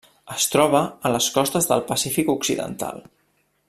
Es troba a les costes del Pacífic Occidental.